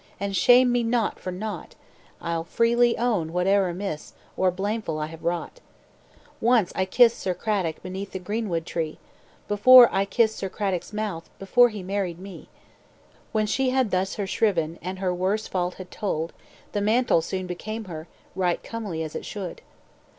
And shame me not for naught; I'll freely own whate'er amiss Or blameful I have wrought. "'Once I kissed Sir Cradock Beneath the greenwood tree; Once I kissed Sir Cradock's mouth, Before he married me.' "When she had thus her shriven, And her worst fault had told, The mantle soon became her, Right comely as it should.